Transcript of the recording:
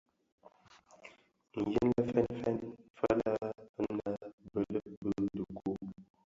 Yin lè fèn fèn fëlë nnë bëlëg bi dhikuu.